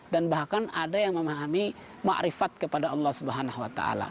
dan bahkan ada yang memahami ma rifat kepada allah swt